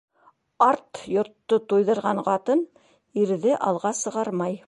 Арт йортто туйҙырған ҡатын ирҙе алға сығармай.